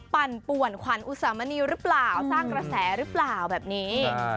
ปั่นป่วนขวัญอุสามณีหรือเปล่าสร้างกระแสหรือเปล่าแบบนี้